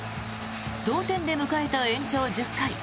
同点で迎えた延長１０回。